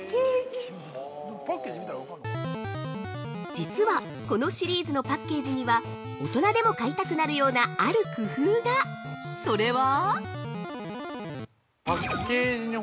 ◆実はこのシリーズのパッケージには大人でも買いたくなるようなある工夫が、それは？